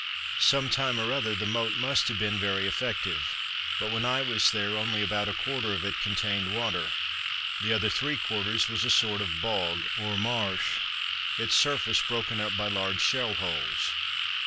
Sometime or other the moat must have been very effective; but when I was there, only about a quarter of it contained water. The other three quarters was a sort of bog, or marsh, its surface broken up by large shell holes.